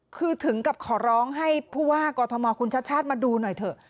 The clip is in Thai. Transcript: คือถึงกับขอร้องให้ผู้ว่ากอทมคุณชาติชาติมาดูหน่อยเถอะ